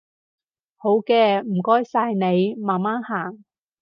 好嘅，唔該晒你，慢慢行